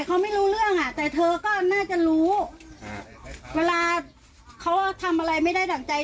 เขาไม่รู้เรื่องอ่ะแต่เธอก็น่าจะรู้เวลาเขาทำอะไรไม่ได้ดั่งใจ